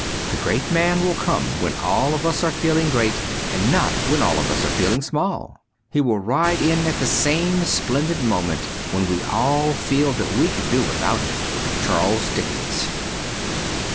The great man will come when all of us are feeling great, not when all of us are feeling small. He will ride in at some splendid moment when we all feel that we could do without him. ' Charles Dickens.''